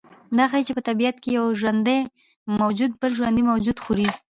دا ښیي چې په طبیعت کې یو ژوندی موجود بل ژوندی موجود خوري